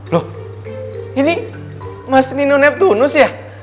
loh ini mas nino neptunus ya